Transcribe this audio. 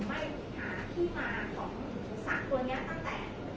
แต่ว่าไม่มีปรากฏว่าถ้าเกิดคนให้ยาที่๓๑